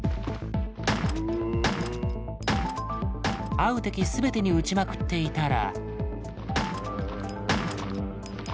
会う敵全てに撃ちまくっていたら。